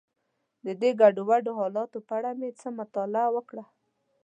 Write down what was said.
د دې ګډوډو حالاتو په اړه مې څه مطالعه وکړه.